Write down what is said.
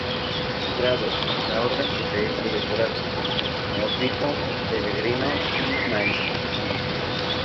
Grados: La Orden posee tres grados: Neófito, Peregrino y Maestro.